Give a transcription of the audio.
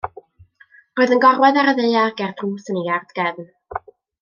Roedd yn gorwedd ar y ddaear ger drws yn yr iard gefn.